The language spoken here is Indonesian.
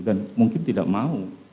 dan mungkin tidak mau